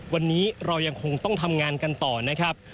วันนี้เรายังคงต้องทำงานกันต่อนะครับ